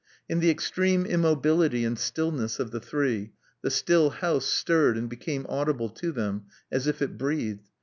In the extreme immobility and stillness of the three the still house stirred and became audible to them, as if it breathed.